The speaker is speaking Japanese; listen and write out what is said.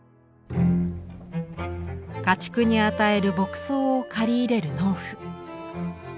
家畜に与える牧草を刈り入れる農夫。